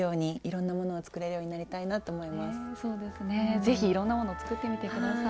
是非いろんなものを作ってみて下さい。